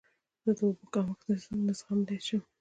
زه د اوبو کمښت نه زغملی شم.